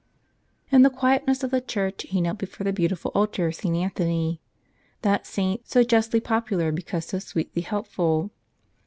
In the quietness of the church he knelt before the beautiful altar of St. Anthony — that saint so justly popular because so sweetly helpful.